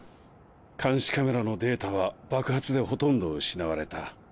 監視カメラのデータは爆発でほとんど失われた。